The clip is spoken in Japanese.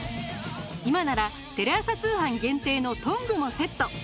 今ならテレ朝通販限定のトングもセット。